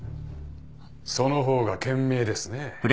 その方が賢明ですね。